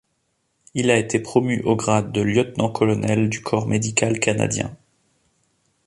Il a été promu au grade de Lieutenant-Colonel du Corps médical canadien.